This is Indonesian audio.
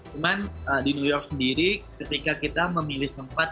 cuman di new york sendiri ketika kita memilih tempat